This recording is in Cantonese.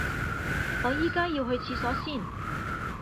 我而家要去廁所先